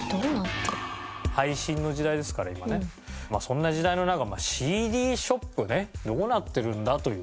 そんな時代の中ＣＤショップねどうなってるんだ？という。